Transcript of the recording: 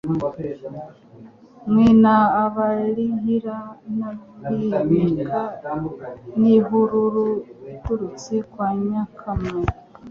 Mwina Abalihira n'Abinika n'ihururu iturutse kwa Nyakamwe.